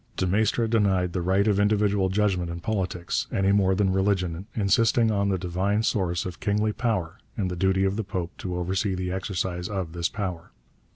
De Maistre denied the right of individual judgment in politics any more than in religion, insisting on the divine source of kingly power and the duty of the Pope to oversee the exercise of this power.